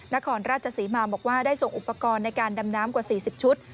นครราชศรีมาบอกว่าได้ส่งอุปกรณ์ในการดำน้ำกว่า๔๐ชุด